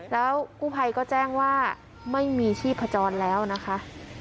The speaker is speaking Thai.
แล้วกู้ภัยก็แจ้งว่าไม่มีชีพจรแล้วนะคะ